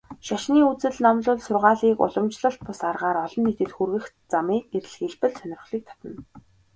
Шашны үзэл номлол, сургаалыг уламжлалт бус аргаар олон нийтэд хүргэх замыг эрэлхийлбэл сонирхлыг татна.